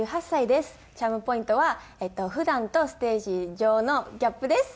チャームポイントは普段とステージ上のギャップです！